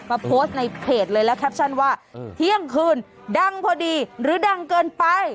โพสต์ในเพจเลยและแคปชั่นว่าเที่ยงคืนดังพอดีหรือดังเกินไป